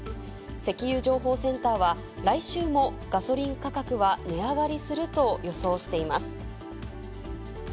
石油情報センターは、来週もガソリン価格は値上がりすると予想しています。